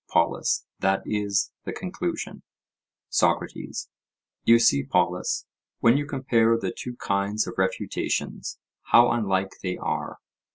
POLUS: That is the conclusion. SOCRATES: You see, Polus, when you compare the two kinds of refutations, how unlike they are.